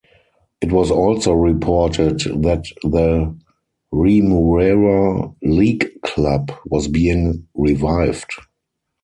It was also reported that the Remuera League Club was being revived.